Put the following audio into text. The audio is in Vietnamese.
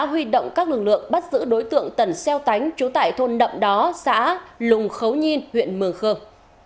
huy động các lực lượng bắt giữ đối tượng tần xeo tánh trú tại thôn đậm đó xã lùng khấu nhiên huyện mường khương